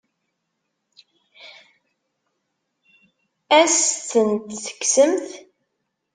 Ad as-tent-tekksemt?